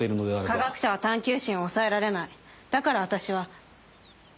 科学者は探究心を抑えられないだから私は。